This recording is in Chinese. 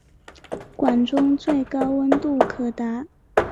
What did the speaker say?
管道中最高温度可达。